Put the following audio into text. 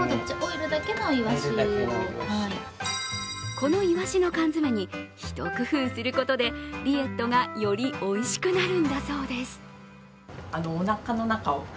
このいわしの缶詰に一工夫することでリエットがよりおいしくなるんだそうです。